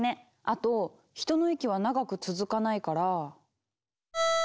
あと人の息は長く続かないから。